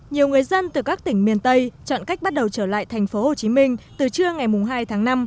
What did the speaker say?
nhiều người dân từ các tỉnh miền tây chọn cách bắt đầu trở lại thành phố hồ chí minh từ trưa ngày hai tháng năm